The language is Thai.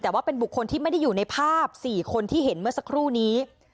แต่ว่าเป็นบุคคลที่ไม่ได้อยู่ในภาพ๔คนที่เห็นเมื่อสักครู่นี้